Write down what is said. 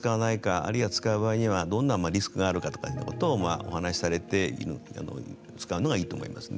あるいは使う場合にはどんなリスクがあるかということをお話しされて使うのがいいと思いますね。